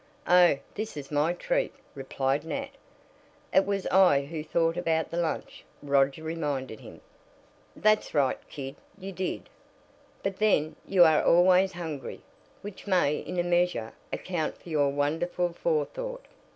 "Oh, this is my treat," replied Nat. "It was I who thought about the lunch," Roger reminded him. "That's right, kid, you did. But then, you are always hungry, which may, in a measure, account for your wonderful forethought."